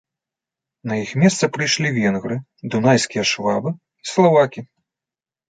На іх месца прыйшлі венгры, дунайскія швабы і славакі.